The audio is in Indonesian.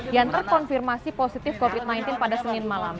yang terkonfirmasi positif covid sembilan belas pada senin malam